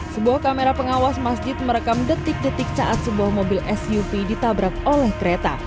sebuah kamera pengawas masjid merekam detik detik saat sebuah mobil suv ditabrak oleh kereta